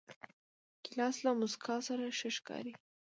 ګیلاس له موسکا سره ښه ښکاري.